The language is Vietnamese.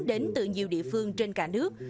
đến từ nhiều địa phương trên cả nước